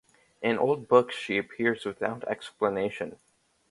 In old books she appears without explanation.